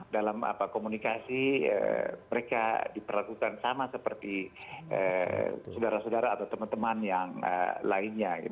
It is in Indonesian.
dalam komunikasi mereka diperlakukan sama seperti saudara saudara atau teman teman yang lainnya